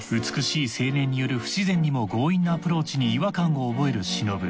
美しい青年による不自然にも強引なアプローチに違和感を覚える忍。